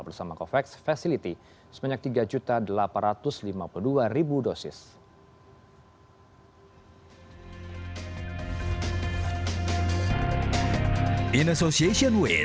bersama covax facility sebanyak tiga delapan ratus lima puluh dua dosis